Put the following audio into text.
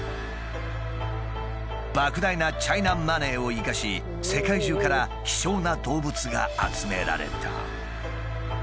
ばく大なチャイナマネーを生かし世界中から希少な動物が集められた。